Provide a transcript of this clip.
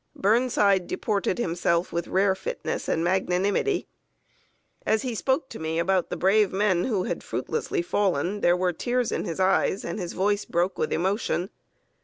Burnside deported himself with rare fitness and magnanimity. As he spoke to me about the brave men who had fruitlessly fallen, there were tears in his eyes, and his voice broke with emotion.